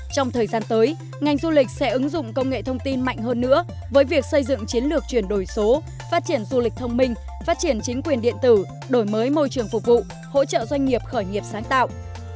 trong thời gian tới ngành du lịch sẽ ứng dụng công nghệ thông tin mạnh hơn nữa với việc xây dựng chiến lược chuyển đổi số phát triển du lịch thông minh phát triển chính quyền điện tử đổi mới môi trường phục vụ hỗ trợ doanh nghiệp khởi nghiệp sáng tạo